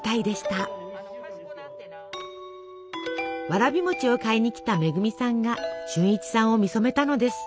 わらび餅を買いにきた恵さんが俊一さんを見初めたのです。